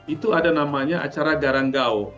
itu ada namanya acara garanggau